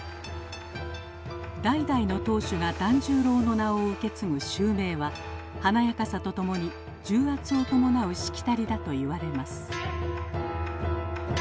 代々の当主が團十郎の名を受け継ぐ襲名は華やかさとともに重圧を伴うしきたりだといわれます